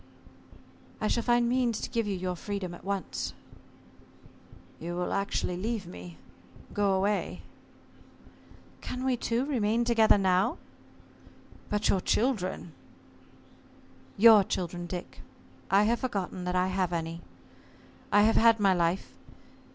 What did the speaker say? "I shall find means to give you your freedom at once." "You will actually leave me go away?" "Can we two remain together now?" "But your children?" "Your children, Dick I have forgotten that I have any. I have had my life.